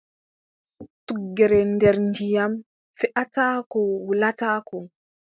Tuggere nder ndiyam, feʼataako wulataako.